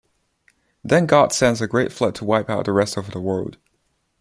Then God sends a great flood to wipe out the rest of the world.